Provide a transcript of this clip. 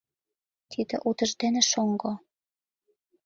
— Тиде утыждене шоҥго.